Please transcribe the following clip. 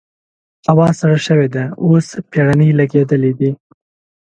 هوا سړه شوې ده؛ اوس پېړنی لګېدلی دی.